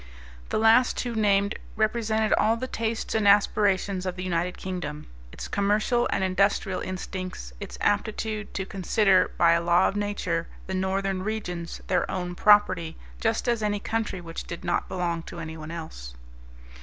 The last two named represented all the tastes and aspirations of the United Kingdom, its commercial and industrial instincts, its aptitude to consider, by a law of nature, the northern regions their own property just as any country which did not belong to anyone else.